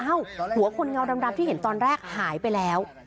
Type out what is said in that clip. หัวคนเงาดำที่เห็นตอนแรกหายไปแล้ว